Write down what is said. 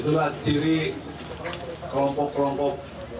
itulah ciri kelompok kelompok